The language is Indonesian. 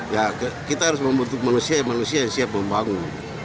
ya kita harus membentuk manusia manusia yang siap membangun